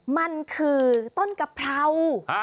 มันคือต้นกะเพรา